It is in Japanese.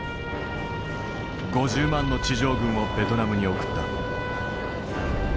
５０万の地上軍をベトナムに送った。